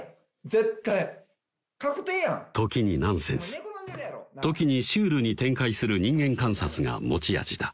絶対確定やん時にナンセンス時にシュールに展開する人間観察が持ち味だ